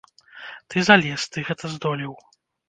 Ты залез, ты гэта здолеў.